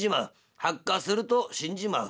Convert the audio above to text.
白化すると死んじまう。